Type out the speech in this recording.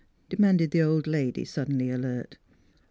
demanded the old lady, sud denly alert.